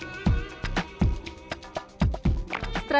ketika anak anak sudah berusaha untuk membuat produk